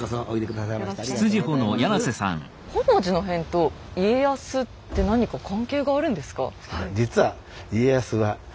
本能寺の変と家康って何か関係があるんですか？